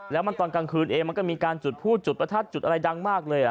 แล้วมันตอนกลางคืนเองมันก็มีการจุดพูดจุดประทัดจุดอะไรดังมากเลย